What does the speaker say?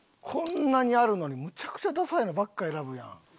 こんなにあるのにむちゃくちゃダサいのばっか選ぶやん。